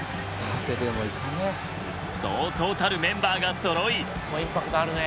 そうそうたるメンバーがそろい。